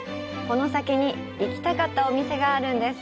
この先に行きたかったお店があるんです。